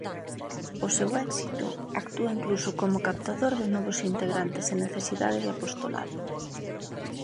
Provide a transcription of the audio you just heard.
O seu éxito actúa incluso como captador de novos integrantes sen necesidade de apostolado.